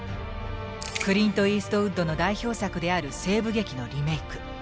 クリント・イーストウッドの代表作である西部劇のリメイク。